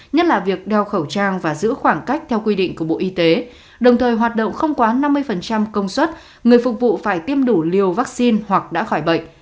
nhất là việc đeo khẩu trang và giữ khoảng cách theo quy định của bộ y tế đồng thời hoạt động không quá năm mươi công suất người phục vụ phải tiêm đủ liều vaccine hoặc đã khỏi bệnh